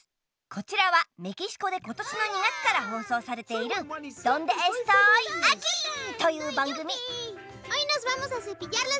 こちらはメキシコでことしの２がつから放送されている「ドンデ・エストイ・アキ！」というばんぐみ。